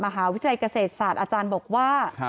มหาวิทยาลัยเกษตรศาสตร์อาจารย์บอกว่า